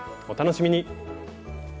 お楽しみに。